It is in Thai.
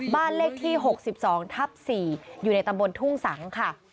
บ้านเลขที่๖๒ทับ๔อยู่ในตำบลทุ่งสังค่ะ